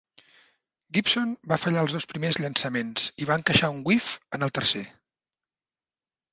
Gibson va fallar els dos primers llançaments i va encaixar un "whiff" en el tercer.